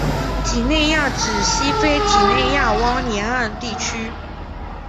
几内亚指西非几内亚湾沿岸地区。